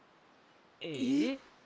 えっ？